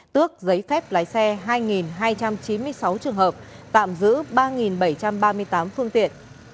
tước giấy phép lái xe hai hai trăm chín mươi sáu trường hợp tạm giữ ba bảy trăm ba mươi tám phương tiện